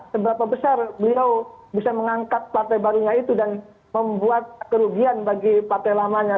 seberapa besar beliau bisa mengangkat partai barunya itu dan membuat kerugian bagi partai lamanya